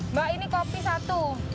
mbak ini kopi satu